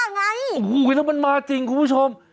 มันกำลังกลิ้งมาหาป้าไงโอ้โหแล้วมันมาจริงคุณผู้ชม